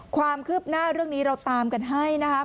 ความคืบหน้าเรื่องนี้เราตามกันให้นะคะ